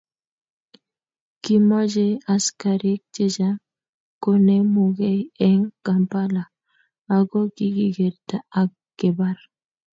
kimochei askarik chechang' konemugei eng' Kampala ako kikikerta ak kebar.